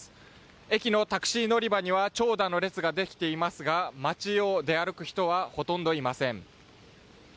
駅のタクシー乗り場には長蛇の列ができていますが街を出歩く人はほとんどいません。